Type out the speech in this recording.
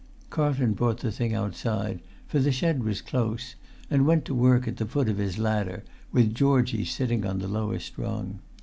Carlton brought the thing outside, for the shed was close, and went to work at the foot of his lad[Pg 280]der, with Georgie sitting on the lowest rung.